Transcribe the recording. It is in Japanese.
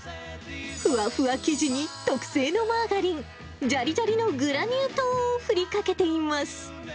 ふわふわ生地に特製のマーガリン、じゃりじゃりのグラニュー糖を振りかけています。